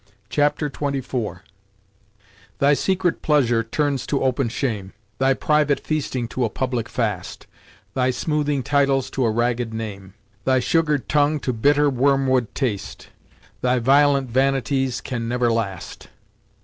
Chapter XXIV "Thy secret pleasure turns to open shame; Thy private feasting to a public fast; Thy smoothing titles to a ragged name; Thy sugar'd tongue to bitter worm wood taste: Thy violent vanities can never last."